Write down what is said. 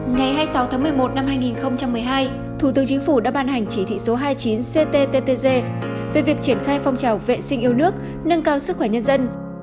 ngày hai mươi sáu tháng một mươi một năm hai nghìn một mươi hai thủ tướng chính phủ đã ban hành chỉ thị số hai mươi chín cttg về việc triển khai phong trào vệ sinh yêu nước nâng cao sức khỏe nhân dân